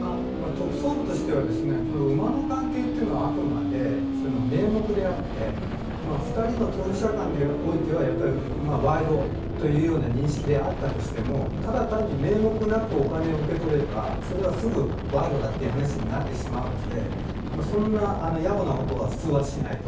特捜部としては馬の関係というのはあくまで名目であって２人の当事者間においては賄賂というような認識であったとしてもただ単に名目なくお金を受け取ればそれはすぐ賄賂だという話になってしまうのでそんな野暮なことは普通はしないと。